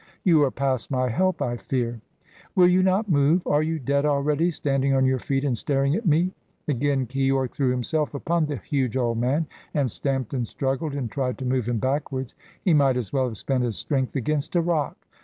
"You are past my help, I fear." "Will you not move? Are you dead already, standing on your feet and staring at me?" Again Keyork threw himself upon the huge old man, and stamped and struggled and tried to move him backwards. He might as well have spent his strength against a rock.